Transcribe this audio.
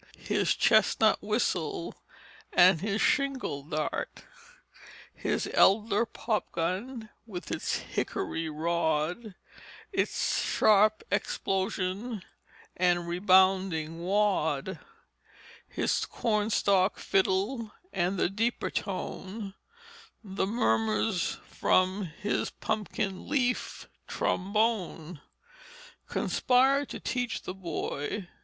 His chestnut whistle, and his shingle dart, His elder pop gun with its hickory rod, Its sharp explosion and rebounding wad, His corn stalk fiddle, and the deeper tone That murmurs from his pumpkin leaf trombone Conspire to teach the boy.